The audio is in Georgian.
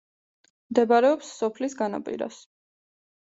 მდებარეობს სოფლის განაპირას.